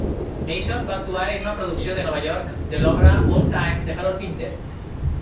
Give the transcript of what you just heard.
Mason va actuar en una producció de Nova York de l"obra "Old Times" de Harold Pinter.